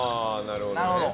なるほど。